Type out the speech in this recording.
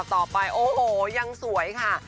ต่อไปโอ้โหยังสวยค่ะ